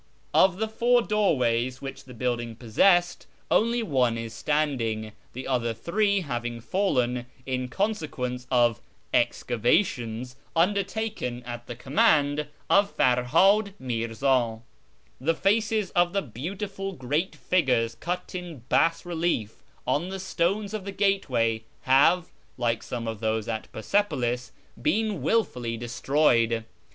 Of the four doorways which the building possessed, only one is standing, the other three having fallen, in consequence of " excavations " undertaken at the command of Perhad ]\Iirz;i. The faces of the beautiful great figures cut in bas relief on the stones of the gateway have, like some of those at Persepolis, been wilfully destroyed.